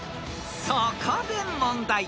［そこで問題］